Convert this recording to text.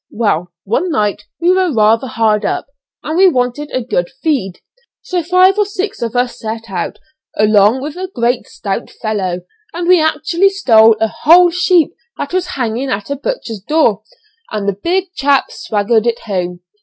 Well, one night we were rather hard up and we wanted a good feed, so five or six of us set out, along with a great stout fellow, and we actually stole a whole sheep that was hanging at a butcher's door, and the big chap swagged it home.